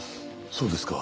そうですか。